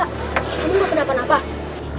jadi kak kamu mau pendapat apa